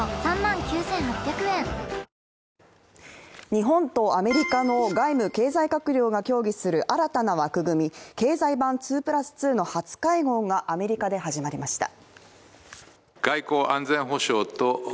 日本とアメリカの外務・経済閣僚が協議する新たな枠組み経済版２＋２の初会合がアメリカで始まりました。